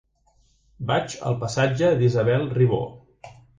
Vaig al passatge d'Isabel Ribó.